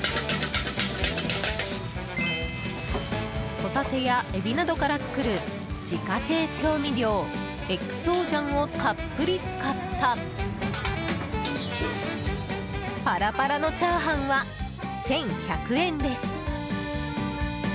ホタテやエビなどから作る自家製調味料ＸＯ醤をたっぷり使ったパラパラのチャーハンは１１００円です。